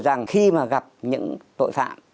rằng khi mà gặp những tội phạm